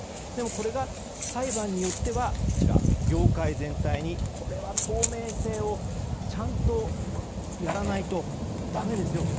これが、裁判によっては業界全体にこれは透明性をちゃんとやらないとだめですよと。